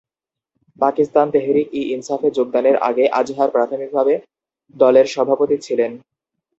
পাকিস্তান তেহরিক-ই-ইনসাফে যোগদানের আগে আজহার প্রাথমিকভাবে দলের সভাপতি ছিলেন।